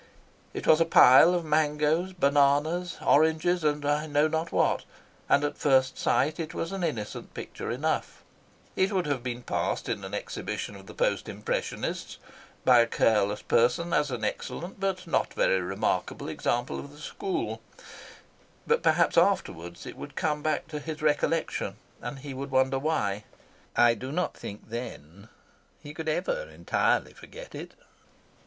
It was a pile of mangoes, bananas, oranges, and I know not what and at first sight it was an innocent picture enough. It would have been passed in an exhibition of the Post Impressionists by a careless person as an excellent but not very remarkable example of the school; but perhaps afterwards it would come back to his recollection, and he would wonder why. I do not think then he could ever entirely forget it.